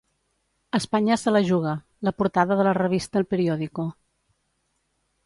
Espanya se la juga, la portada de la revista 'El Periódico'.